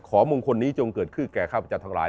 มงคลนี้จงเกิดขึ้นแก่ข้าพเจ้าทั้งหลาย